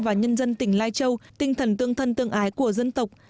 và nhân dân tỉnh lai châu tinh thần tương thân tương ái của dân tộc